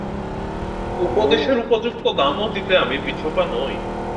উপদেশের উপযুক্ত দামও দিতে আমি পিছপা নই।